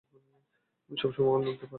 আমি সবমসময় আমার লোকদের পাঠাই।